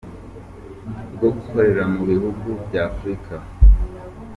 bwo gukorera mu bihugu bya Afurika.